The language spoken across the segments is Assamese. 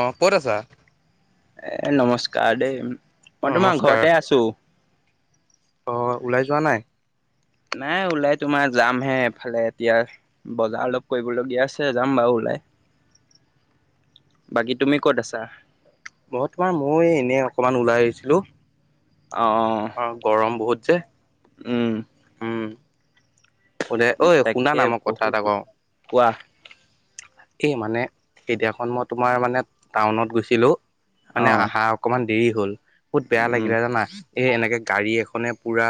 অ', ক'ত আছা? এ নমস্কাৰ দেই, মই তোমাৰ নমস্কাৰ ঘৰতে আছো। অ', ওলাই যোৱা নাই? নাই, ওলাই তোমাৰ যামহে এফালে। এতিয়া বজাৰ অলপ কৰিবলগীয়া আছে, যাম বাৰু ওলাই। বাকী তুমি ক'ত আছা? মই তোমাৰ ময়ো এনেই অকমান ওলাই আহিছিলো। অহ'। অ', গৰম বহুত যে। উম'। উম। ক'লে ঐ শুন তাকে না মই কথা এটা বহুত কওঁ। কোৱা এই মানে সেইদিনাখন মই তোমাৰ মানে টাউনত গৈছিলো অ মানে আহা অকমান দেৰি হ'ল বহুত বেয়া উম লাগিলে জানা এই এনেকে গাড়ী এখনে পুৰা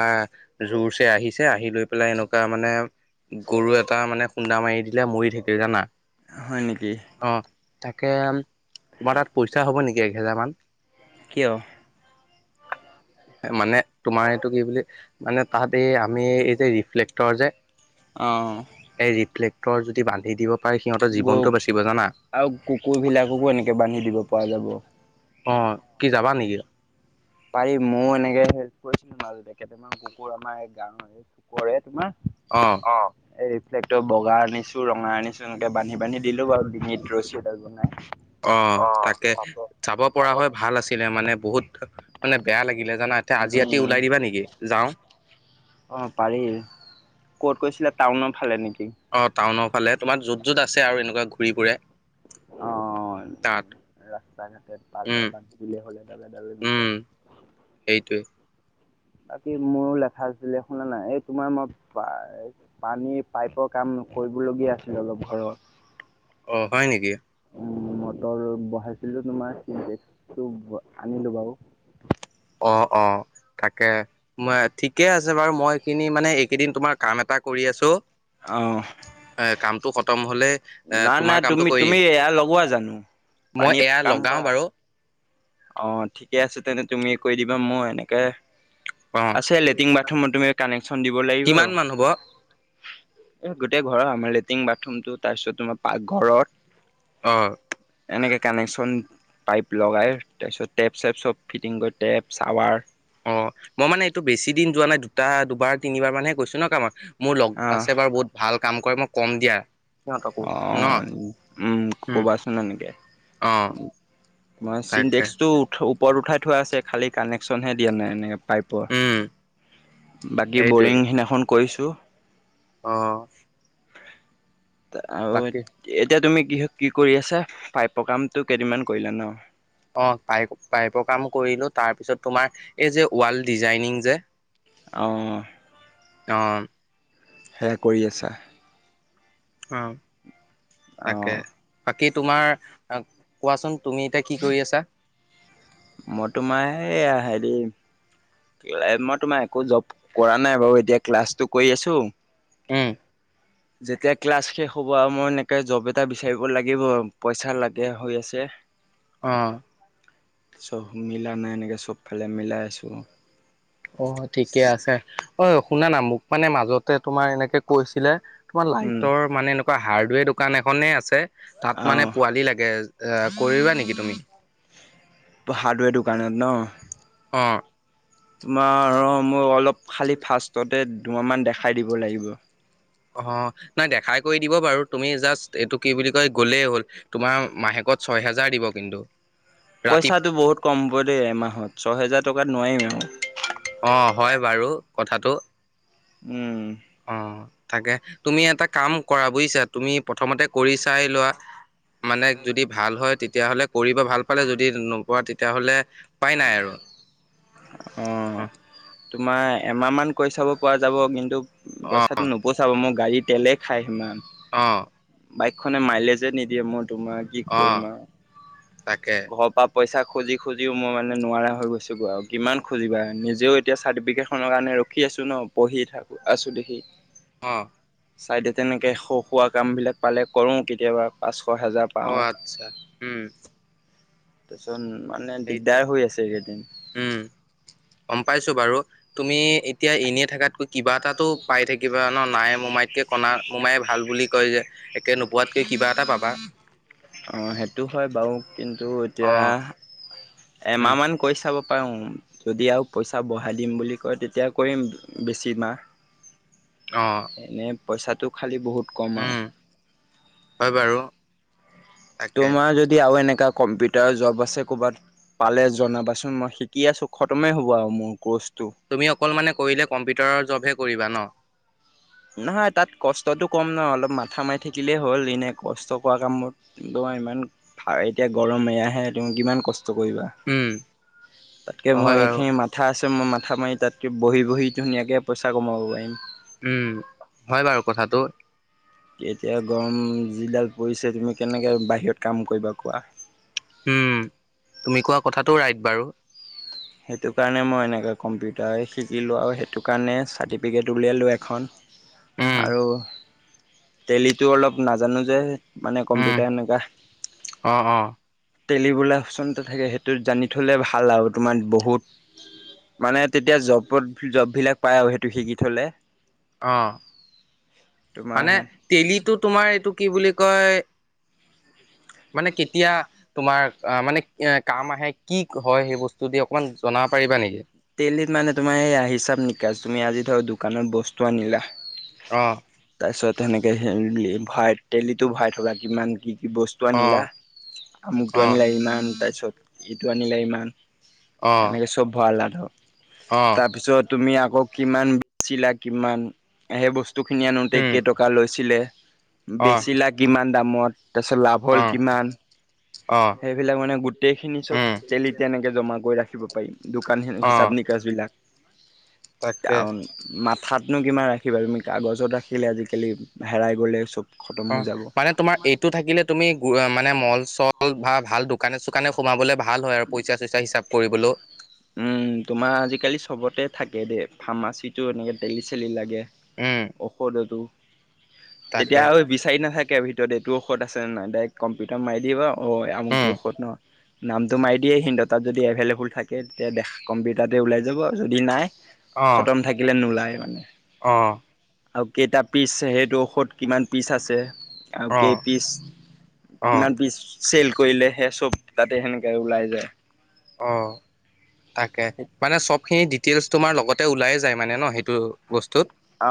জোৰছে আহিছে আহি লৈ পেলাই এনেকুৱা মানে গৰু এটা মানে খুন্দা মাৰি দি লে মৰি থাকিল জানা। হয় নেকি? অ তাকে তোমাৰ তাত পইচা হ'ব নেকি এহেজাৰ মান? কিয় মানে তোমাৰ এইটো কি বুলি মানে তাত এই আমি এইযে ৰিফ্লেক টৰ যে অ এই ৰিফ্লেকটৰ যদি বান্ধি দিব পাৰে সিহঁতৰ গৰু জীৱনটো বাচিব জানা আৰু কুকুৰ বিলাককো এনেকে বান্ধি দিব পৰা যাব। অ' কি যাবা নেকি? পাৰি, ময়ো এনেকে হেল্প কৰিছিলো, মাজতে কেইটামান কুকুৰ আমাৰ গাঁৱৰ চুকৰে অ তোমাৰ অ' এই ৰিফ্লেক্টৰ বগা আনিছোঁ, ৰঙা আনিছোঁ, এনেকে বান্ধি নি বান্ধি দিলো বাৰু ডিঙিত ৰছী এডাল বনাই। অ' তাকে চাব পৰা হৈ ভাল আছিলে মানে বহুত মানে বেয়া লাগিলে জানা। এতিয়া আজি ৰাতি উম ওলাই দিবা নেকি যাওঁ অ' পাৰি। ক'ত কৈছিলা টাউনৰ ফালে নেকি। টাউনৰফালে তোমাৰ য'ত য'ত আছে আৰু এনেকুৱা ঘূৰি ফুৰে। অ', অ', তাত অ'। ৰাস্তা ঘাটে পালে উম বান্ধি দিলে হ'লে ডালেডালে গৈকে। উম সেইটোৱে। বাকী মোৰো লেখা আছিলে শুনা নাই এই তোমাৰ মই পানীৰ পাইপৰ কাম কৰিবলগীয়া আছিল অলপ ঘৰত। অ' হয় নেকি? মটৰ বহাইছিলোঁ তোমাৰ চে আনিলোঁ বাৰু। অ', অ' তাকে ম ঠিকে আছে বাৰু মই এইখিনি মানে এইকেইদিন তোমাৰ কাম এটা কৰি আছোঁ অহ এ, কামটো খতম হ'লে এ, নাই তোমাৰ নাই কামটো তুমি কৰিম। তুমি এয়া লগোৱা জানো মই পানী এয়া কাম লগাও কৰা বাৰু। অ' ঠিকে আছে তেন্তে তুমি কৰি দিবা মই এনেকে অ আছে লেট্ৰিন বাথৰুমত তুমি কানেকচন দিব লাগিব। কিমান মান হ'ব এ, গোটেই ঘৰৰ আমাৰ লেট্ৰিন বাথৰুমটো তাৰপিছত তোমাৰ পাক ঘৰত অ এনেকে কানেকচন পাইপ লগাই তাৰপিছত টেপ চেপ চব ফিটিং কৰি, টেপ চাৱাৰ অ' মই মানে এইটো বেছি দিন যোৱা নাই, দুটা দুবাৰ তিনিবাৰ মানেহে গৈছোঁ ন' কামাক। মোৰ লগ আহ আছে বাৰু বহুত ভাল কাম কৰে, মই কম দিয়া। সিহঁতকো ন অ' উম, কবাচোন এনেকে। অ মই তাকে চিডেক্সটো উঠ ওপৰত উঠাই থোৱা আছে খালি কানেকশচনহে দিয়া নাই এনেক পাইপৰ, উম বাকী সেইটোৱে বৰিং সিদিনাখন কৰিছোঁ। অ'। আৰু বাকী এতিয়া তুমি কি কি কৰি আছা, পাইপৰ কামতটো কেইদিনমান কৰিলা ন'। অ' পাইপ পাইপৰ কাম কৰিলোঁ, তাৰপিছত তোমাৰ এই যে ৱাল ডিজাইনিং যে অ'। অ'। সেয়া কৰি আছা? অ' তাকে, অঁ বাকী তোমাৰ কোৱাচোন তুমি এতিয়া কি কৰি আছা? মই তোমাৰ এ, হেয়া হেডো মই তোমাৰ একো জব কৰা নাই বাৰু, এতিয়া ক্লাছটো কৰি আছোঁ। উম। যেতিয়া ক্লাছ শেষ হ'ব আৰু মই এনেকৈ জব এটা বিচাৰিব লাগিব পইচা লাগে হৈ আছে ক্ অ চব মিলা নাই এনেকে চবফালে মিলাই আছোঁ অ ঠিকে আছে অ শুনানা মোক মানে মাজতে তোমাৰ এনেকে কৈছিলে তোমাৰ লাইটৰ মানে এনেকুৱা হাৰ্ডৱেৰ দোকান এখনেই আছে তাত অঁ মানে পোৱালি লাগে অ কৰিবা নেকি তুমি হাৰ্ডৱেৰ দোকানত ন অ তোমাৰ মই অলপ খালী ফাৰ্ষ্ষ্টতে দুমাহমান দেখাই দিব লাগিব অ নাই দেখাই কৰি দিব বাৰু তুমি জাষ্ট এইটো কি বুলি কয় গ'লেই হ'ল তোমাৰ মাহেকত ছয় হেজাৰ দিব কিন্তু ৰাতি পইচাটো বহুত কমব দেই এমাহত ছহেজাৰ টকাত নোৱাৰিম আৰু অ হয় বাৰু কথাটো উম অ তাকে তুমি এটা কাম কৰা বুজিছা তুমি প্ৰথমতে কৰি চাই লোৱা মানে যদি ভাল হয় তেতিয়াহ'লে কৰিব ভাল পালে যদি নোপোৱা তেতিয়াহ'লে ওপাই নাই আৰু [inaudible] অ তোমাৰ এমাহমান কৰি চাব পৰা যাব কিন্তু পইচাটো অ', নোপোচাব মোক গাড়ী তেলেই খায় সিমান আহ বাইকখনে মাইলেজে নিদিয়ে মই তোমাক কি কৰিম অ', তাকে আৰু ঘৰৰ পৰা পইচা খুজি খুজি মই মানে নোৱাৰা হৈ গৈছোঁ বৈ আৰু কিমান খুজিবা নিজেও এতিয়া চাৰ্টিফিকেটখনৰ কাৰণে ৰখি আছো ন পঢ়ি থাকো আছো দেখি অ চাইডে তেনেকে স খোৱা কাম বিলাক পালে কৰো কেতিয়াবা পাচ অ আচ্ছা উম তাৰপিছত মানে সেইটোৱে দিগদাৰ হৈ আছে কেইদিন উম, গম পাইছো বাৰু তুমি এতিয়া এনেই থকাতকৈ কিবা এটাাতটো পাই থাকিবা ন নাই মোমাইতকে কণা মোমাই ভাল বুলি কয় যে একে নোপোৱাতকৈ কিবা এটা পাবা সেইটো হয় বাৰু কিন্তু এতিয়া অ', এমাহ উম, মান কৈ চাব পাও যদি আৰু পইচা বঢ়াই দিম বুলি কয় তেতিয়া কৰিম বেছি মাহ অ', এনেই পইচাটো খালি বহুত কম আৰু উম, হয় বাৰু তাকে তোমাৰ যদি আৰু এনেকাা কম্পিউ জব আছে ক'ৰবাত পালে জনাবাচোন মই শিকি আছো খতমেই হ'ব আৰু মোৰ কৰ্চ তুমি অকল মানে কৰিলে কম্পিউটাৰৰ জবহে কৰিবা ন নহয় তাত কষ্টটো কম নহ অলপ মাথা মাৰি থাকিলেই হ'ল এনেই কষ্ট কৰা কামবত কিন্তু ইমান এতিয়া গৰম এয়াহে তুমি কিমান কষ্ট কৰিবা উম, তাতকে মই হয় বাৰু এইখিনি মাথা আছে তা মই মাথা মাৰি তাতকৈ বহি বহি ধুনীয়াকৈ পইচা কমাব পাৰিম উম হয় বাৰু কথাটো এতিয়া গৰম যিডাল পৰিছে তুমি কেনেকৈ বাহিৰত কাম কৰিবা কোৱা উম তুমি কোৱা কথাটো ৰাইট বাৰু সেইটো কাৰণে মই এনেকৈ কম্পিউটাৰে শিকিলোঁ আৰু সেইটো কাৰণে চাৰ্টিফিকেট উলিয়ালোঁ এখন উম, আৰু তেলিটো অলপ নাজানো যে মানে উম, কম্পিউটাৰ এনেকুৱা অ', অ', টেলিবো অপশচনটো থাকে সেইটোত জানি থ'লে ভাল আৰু তোাৰ বহুত মানে তেতিয়া জবত জববিলাক পায় আৰু সেইটো শিকি থ'লে অ তোমাৰ মানে তেলিটো তোমাৰ এইটো কি বুলি কয় মানে কেতিয়া তোমাৰ মানে কাম আহে কি হয় সেই বস্তু দি অকমান জনা টেলিত মানে তোমাৰ এইয়া হিচাব নিকাজ তুমি আজি ধৰ দোকানত বস্তু আনিলা অহ তাৰপিছত সেনেকে ভৰাই তেলিটো ভৰাই থবা কিমান কি কি বস্ টো অ আনিলা আমুকটো অ আনিলা ইমান তাৰপিছত ইটো আনিলা ইমান সেনেকে চব ভৰালা ধৰ অ অ তাৰপিছত তুমি আকৌ কিমান বেছিলা কিমান সেই বস্তুখিনি আনোতে উম কেইটকা লৈছিলে অ বেছিলা কিমান দামত তাৰপিছত লাভ হ'ল অ কিমান অ সেইবিলাক মানে গোটেই খিনি চব উম তেলিত তেনেকে জমা কৰি ৰাখিব পাৰি দোকান অ হিচাপ নিকা ছ বিলাক তাকে আও মথাত নো কিমান ৰাখিবা তুমি কাগজত ৰাখিলে আজিকালি হেৰাই গ'লে চব খতম অ হৈ যাব মানে তোমাৰ এইটো থাকিলে তুমি অ মানে মল চল বা ভাল দোকানে চোকানে সোমাবলে ভা ভাল হয় আৰু পইচা চইচা হিচাপ কৰিবলো উম, তোমাৰ আজিকালি চবতে থাকে দেই ফাৰ্মাচীটো এনেকে তেলি চেলি লাগে উম ঔষধতো তাকে তেতিয়া ঐ বিচাৰি নাথাকে ভিত ত এইটো ঔষধ আছে নে নাই ডাইৰেক্ট কম্পিউটাৰ মাৰি দিবা অ আমোকটো উম ঔষধ ন নাম টো মাৰ দিয়ে সিহত তাত যদি এভেইলোবোল থাকে তেতিয়া দেখা কম্পিউটাৰতে ওলাই যাব যদি নাই খতম থাকিলে নোলায় মানে অহ আও কেইটা পিচ সেইটো ঔষধ কিমান পিচ আছে আও অ কেই পিচ অ কিমান পিচ চেল কৰিলে সেয়া চব তাতে সেনেক কে ওলাই যায় অহ তাকে মানে চবখিনি ডিটেইলছ তোমাৰ লগতে ওলায়েই যায় মানে ন সেইটো বস্তুত অ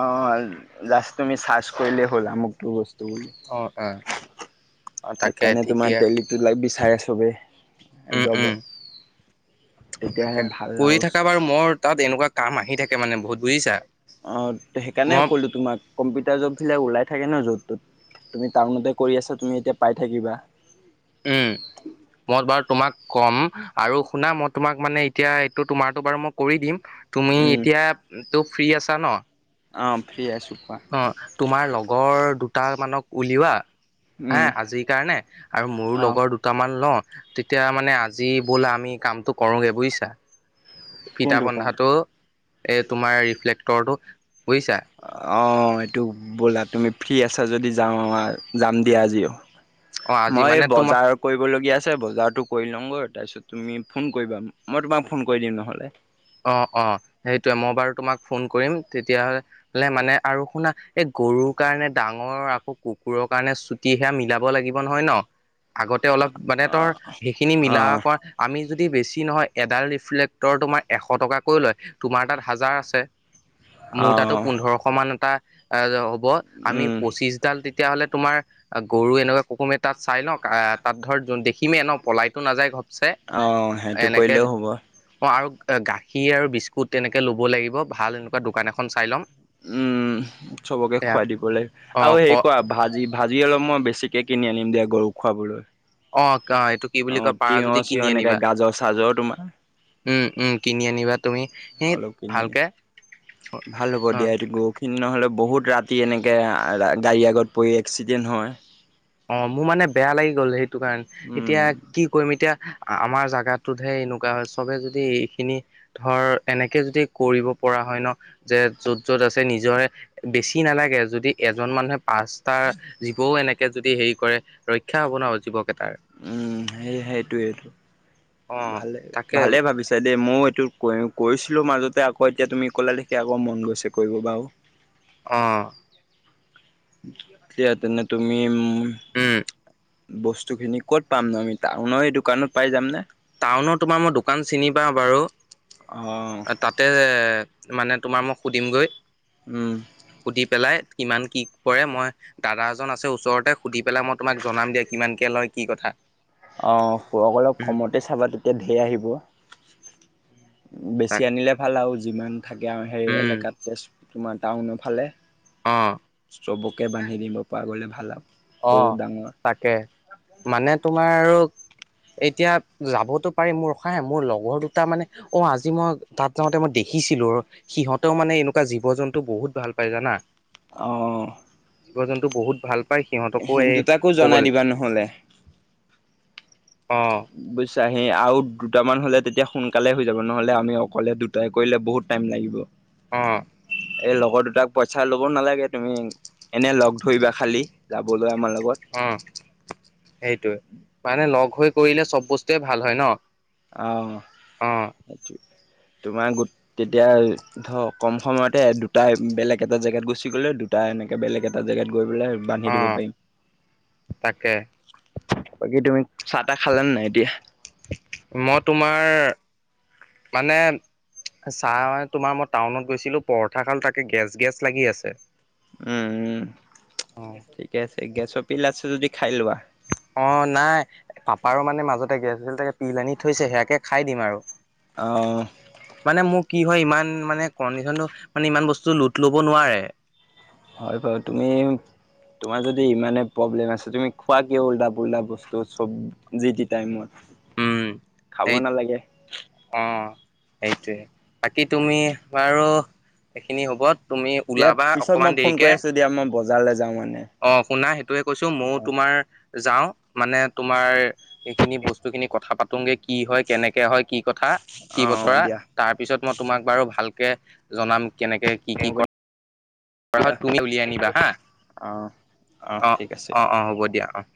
জাষ্ট তুমি চাৰ্চ কৰিলেই হ'ল মুকতোৰ বস্ তো বুলি অ', অ'। অ', তাকে সেইকাৰণে ঠিকে তোমাৰ তেলিটো লাগ বিচাৰে চবেই উম, উম, জবত তেতিয়াহে তাকে ভাল কৰি আৰু থাকা বাৰু মোৰ তাত এনেকুৱা কাম আহি থাকে মানে বহুত বুজিছা অ সেইকাণে মই ক'লো তোমাক কম্পিউটাৰ জব বিলাক ওলাই থাকে ন য'ত তত তুমি টাউনতে কৰি আছা তুমি এতিয়া পাই থাকিবা উম মই বাৰু তোমাক কম আৰু শুনা মই তোমাক মানে এতিয়া এইটো তোমাৰটো বাৰু মই কৰি দিম তুমি উম এতিয়া টো ফ্ৰী আছা ন অ ফ্ৰী আছোঁ অ তোমাৰ লগৰ দুটামানক উলিওৱা হা উম আজিৰ কাৰণে আৰু মোৰো অ লগৰ দুটামান লও তেতিয়া মানে আজি বলা আমি কামটো কৰোগে বুইছা ফিঠা কোনটো কাম বন্ধাটো এই তোমাৰ ৰিফ্লেক্টৰটো বুইছা মইতো ব'লা তুমি ফ্ৰী আছা যদি যাওঁ আৱা আৱা যাম দিয়া আজিও অ আজি মই মানে তোমাৰ বজাৰ কৰিবলগীয়া আছে। ছে বজাৰটো কৰি লঙগৈ তাৰপিছত তুমি ফোন কৰিবা মই তোমাক ফোন কৰি দিম নহ'লে অ অ সেইটোয়ে মই বাৰু তোমাক ফোন কৰিম তেতিয়া হলে মানে মানে আৰু শুনা এই গৰুৰ কাৰণে ডাঙৰ আকৌ কুকুৰৰ কাৰণে চুটি সেয়া মিলাব লাগিব নহয় ন আগতে অলপ মানে তৰ সেইখিনি মিলা কৰা আমি যদি বেছি নহয় এডাল ৰিফ্লেক্টৰ তোমাৰ এশ টকাকৈ লয় তোমাৰ তাত হাজাৰ আছে, আছে মোৰ তাতো পোন্ধৰশ মান এটা এ হ'ব আমি পঁচিশডাল তেতিয়া হলে, তোমাৰ গৰু এনেকুৱা কুকুমে তাত চাই লওঁ তাত ধৰ দেখিমেই ন পলাইতো নাযায় ঘপচে অ, সেইটো এনেকে কৰিলেও। হ'ব। অ', আৰু এ' গাখীৰ আৰু বিস্কুট তেনেকে ল'ব লাগিব, ভাল এনেকুৱা দোকান এখন চাই ল'ম। উম, চবকে এয়া খোৱাঁই দিবলে অ আৰু ক হেৰি কৰা ভাজি ভাজি অলপ মই বেছি ছিকে কিনি আনিম দিয়া গৰুক খোৱাঁবলৈ। অ', কা' এইটো কি বুলি কয় পাৰাঁ যদি কিনি চিয়হ এনেকে আনিবা। গাজৰ চাজৰ তোমাৰ উম, উম কিনি আনিবা তুমি সেট অলপ কিনি আনিম ভালকে। ভাল হ'ব অ দিয়া এইটো গৰুখিনি নহ'লে বহুত ৰাতি এনেকে আ ৰা গাড়ী আগত পৰি এক্সিডেণ্ট হয়। অ', ' মোৰ মানে বেয়া লাগি গ'ল সেইটো কাৰণে, এতিয়া উম, কি কৰিম এতিয়া আ-আমাৰ জাগাটোতহে এনেকুৱা হয় চবে যদি এইখিনি ধৰ এনেকে যদি কৰিব পৰা হয় ন যে য'ত য'ত আছে নিজৰে বেছি নালাগে। যদি এজন মানুহে পাঁচটা জীৱওঁ এনেকে যদি হেৰি কৰে ৰক্ষা হ'ব ন জীৱ কেটাৰ। সে সেইটোঁৱেইটো অ', ভালে তাকে ভালেই ভাবিছা দেই ময়োঁ এইটো কৰি কৰিছিলোঁ মাজতে আকৌ এতিয়া তুমি ক'লা দেখি আকৌ মন গৈছে কৰিব বাৰু। অ'। দিয়া তেনে তুমি মো উম'। বস্তু খিনি ক'ত পাম নো আমি টাউন এই দোকানত পাই যাম নে? টাউনৰ তোমাৰ মই দোকান চিনি পাওঁ বাৰু। অঁ, এ' তাতে মানে তোমাৰ মই সুধিমগৈ। উম। সুধি পেলাই কিমান কি কৰে মই দাদা এজন আছে ওচৰতে সুধি পেলাই মই তোমাক জনাম দিয়া কিমান কে লয় কি কথা। অ', [unintelligible] অলপ উম, কমতে চাবা তেত তিয়া ধেৰ আহিব। তাক বেছি আনিলে ভাল আৰু যিমান থাকে আৰু সেই উম, এলেকাত তেজ তোমাৰ টাউন ফালে। অ'। চবকে বান্ধি দিব পৰা গ'লে ভাল আৰু। সৰু অ' ডাঙৰ। তাকে মানে তোমাৰ আৰু। এতিয়া, যাবতো পাৰি মোৰ ৰখা হা মোৰ লগৰ দুটা মানে অ' আজ জি মই তাত যাওঁতে মই দেখিছিলোঁ ৰ সিহঁতেও মানে এনেকুৱা জীৱ জন্তু বহুত ভাল পায় জানা। অ জীৱ জন্তু বহুত ভাল পায় সিহঁতকো এহেঁত এই দুটাকো জনাই ক'বলে দিবা নহ'লে। অ'। [unintelligible] আৰু দুটামান হ'লে তেতিয়া সোনকালে হৈ যাব নহ'লে আমি অকলে দুটাই কৰিলে বহুত টাইম লাগিব। অ এই লগৰ দুটাক পইচা ল'ব নালাগে তুমি এনে লগ ধৰিবা খালি যাবলৈ আমাৰ লগত। সেইটোয়ে পানে লগ হৈ কৰিলে চব বস্তুৱে ভাল হয় ন। অ', অ সেইটোৱে। তোমাৰ গোট, তেতিয়া ই ধৰ কম সময়তে দুটাই বেলেগ এটা জেগাত গুচি গ'লে দুটাই এনেকে বেলেগ এটা জেগাত গৈ পেলাই বাঁন্ধি অ দিব তাকে পাৰিম। বাকী তুমি চাহ তাহ খালাঁ নাই এতিয়া? মই তোমাৰ মানে চাহ [unintelligible] তোমাৰ মই টাউনত কৈছিলোঁ পৰঠা খাম। তাকে গেছ গেছ লাগি আছে। উম, উম। অ ঠিকে আছে গেছৰ পিল আছে যদি খাই লোৱাঁ। অ', নাই। পাপাৰোঁ মানে মাজতে গেছ হৈছিল তাকে পিল আনি থৈছে সেয়াকে খাই দিম আৰু। অ' মানে মোৰ কি হয় ইমান মানে কণ্ডিচনটো মানে ইমান বস্তু লোট ল'ব নোৱাৰে। হয় বাৰু তুমি, তোমাৰ যদি ইমানে প্ৰব্লেম আছ তুমি খোৱা কিয়? ওল্টা পোল্টা বস্তু চব যি টি টাইমত। উম', খাব এই নালাগে অ'। সেইটোৱে, বাকী তুমি বাৰু এইখিনি হ'ব, তুমি দিয়া ওলাবা পিছত অকমান মই ফোন দেৰিকে। কৰি আছো দিয়া মই বজাৰলৈ যাওঁ মানে। অ', শুনা সেইটোয়ে কৈছো, মইও অ' তোমাৰ যাও। মানে তোমাৰ এইখিনি বস্তু খিনি কথা পাতোংগে। কি হয়, কেনেকে হয়, কি কথা, কি অ' বতৰা, দিয়া তাৰ পিছত মই তোমাক বাৰু ভালকে জনাম কেনেকে কি কি হ'ব কৰা কৰা দিয়া হয়, তুমি উলিয়াই আনিবা হা, অ' অ', ঠিক আছে। অ', অ', হ'ব দিয়া অ'।